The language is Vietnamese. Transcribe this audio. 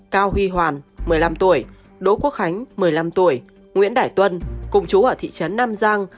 cao huy hoàn một mươi năm tuổi đỗ quốc khánh một mươi năm tuổi nguyễn đại tuân cùng chú ở thị trấn nam giang